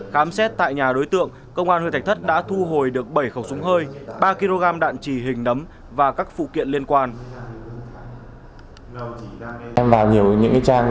khám xét tại nhà đối tượng công an huyện thạch thất đã thu hồi được bảy khẩu súng hơi ba kg đạn trì hình nấm và các phụ kiện liên quan